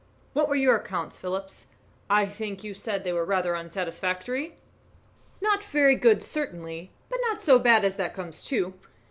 What were your accounts, Phillips; I think you said they were rather unsatisfactory?" "Not very good, certainly; but not so bad as that comes to.